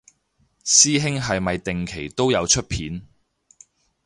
師兄係咪定期都有出片